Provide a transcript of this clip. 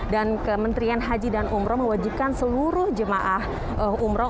dan kementerian haji dan umroh mewajibkan seluruh jemaah umroh